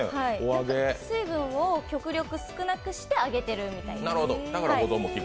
水分を極力少なくして揚げているみたいです。